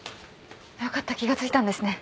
よかった気が付いたんですね。